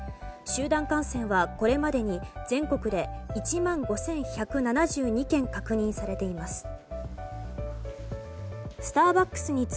集団感染はこれまでに全国で１万５１７２件確認されています。